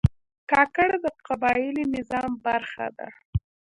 کاکړ د قبایلي نظام برخه ده.